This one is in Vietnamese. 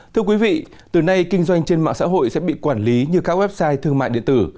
thưa quý vị từ nay kinh doanh trên mạng xã hội sẽ bị quản lý như các website thương mại điện tử